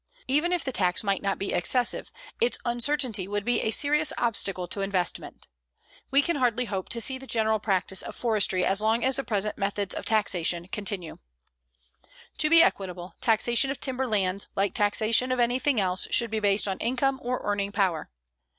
Even if the tax might not be excessive, its uncertainty would be a serious obstacle to investment. We can hardly hope to see the general practice of forestry as long as the present methods of taxation continue. To be equitable, taxation of timber lands like taxation of anything else should be based on income or earning power.